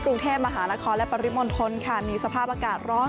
กรุงเทพมหานครและปริมณฑลค่ะมีสภาพอากาศร้อน